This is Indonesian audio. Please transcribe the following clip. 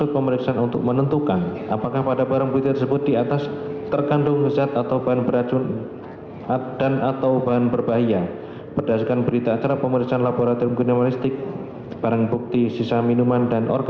pemeriksaan seorang perempuan